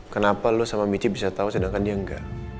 kenapa lo sama michi bisa tahu sedangkan dia enggak